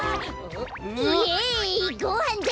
イエイごはんだ！